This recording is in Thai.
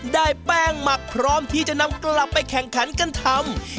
ได้แป้งหมักพร้อมที่จะนำกลับไปแข่งขันกันทำ